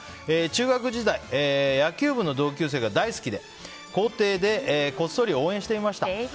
中学時代野球部の同級生が大好きで校庭でこっそり応援していました。